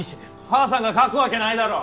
母さんが書くわけないだろ！